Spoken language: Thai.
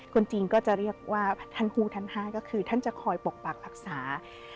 จริงก็จะเรียกว่าท่านผู้ท่าน๕ก็คือท่านจะคอยปกปักรักษา